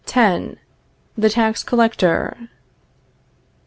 X. THE TAX COLLECTOR.